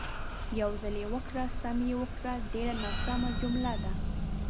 "یو ځل یې وکړه، سم یې وکړه" ډېره ناسمه جمله ده.